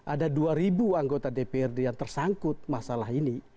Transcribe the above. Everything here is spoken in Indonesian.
ada dua ribu anggota dprd yang tersangkut masalah ini